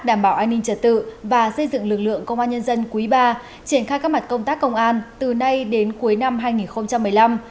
đảm bảo an ninh trật tự và xây dựng lực lượng công an nhân dân quý ba triển khai các mặt công tác công an từ nay đến cuối năm hai nghìn một mươi năm